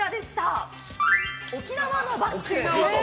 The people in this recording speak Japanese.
沖縄のバッグ。